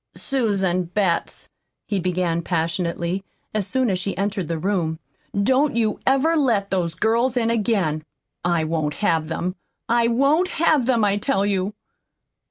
"Susan Betts," he began passionately, as soon as she entered the room, "don't you ever let those girls in again. I won't have them. I WON'T HAVE THEM, I tell you!